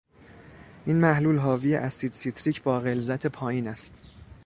این محلول حاوی اسید سیتریک با غلظت پایین است